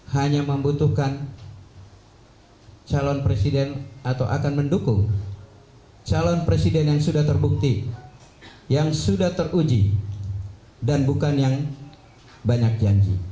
hanya membutuhkan calon presiden atau akan mendukung calon presiden yang sudah terbukti yang sudah teruji dan bukan yang banyak janji